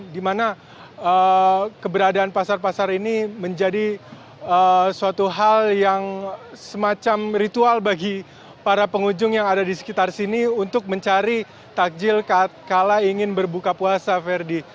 dimana keberadaan pasar pasar ini menjadi suatu hal yang semacam ritual bagi para pengunjung yang ada di sekitar sini untuk mencari takjil kala ingin berbuka puasa ferdi